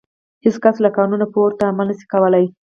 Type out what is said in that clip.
هېڅ کس له قانون پورته عمل نه شوای کولای.